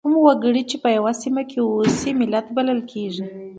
کوم وګړي چې په یوه سیمه کې اوسي ملت بلل کیږي.